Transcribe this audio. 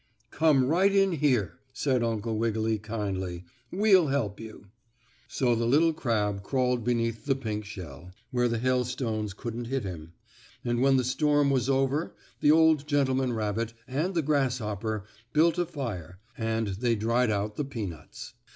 "Come right in here," said Uncle Wiggily kindly. "We'll help you." So the little crab crawled beneath the pink shell, where the hailstones couldn't hit him, and when the storm was over the old gentleman rabbit and the grasshopper built a fire, and they dried out the peanuts.